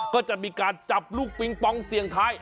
ก็จะมีการจับลูกปิงปองเสี่ยงท้าย